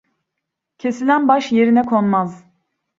Kesilen baş yerine konmaz.